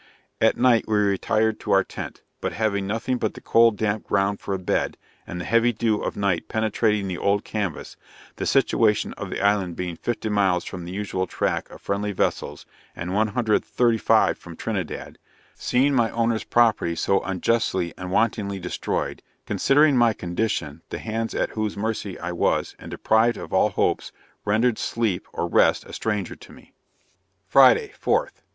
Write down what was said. At night we retired to our tent; but having nothing but the cold damp ground for a bed, and the heavy dew of night penetrating the old canvass the situation of the island being fifty miles from the usual track of friendly vessels, and one hundred and thirty five from Trinidad seeing my owner's property so unjustly and wantonly destroyed considering my condition, the hands at whose mercy I was, and deprived of all hopes, rendered sleep or rest a stranger to me. Friday, 4th.